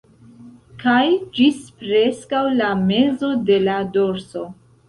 Kaj ĝis preskaŭ la mezo de la dorso